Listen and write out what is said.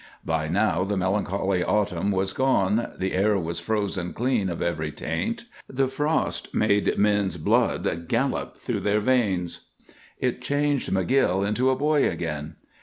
By now the melancholy autumn was gone, the air was frozen clean of every taint, the frost made men's blood gallop through their veins. It changed McGill into a boy again.